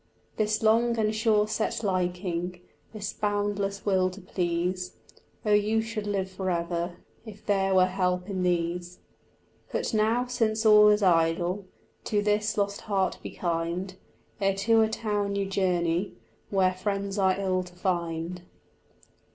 This long and sure set liking, This boundless will to please, Oh, you should live for ever If there were help in these. But now, since all is idle, To this lost heart be kind, Ere to a town you journey Where friends are ill to find.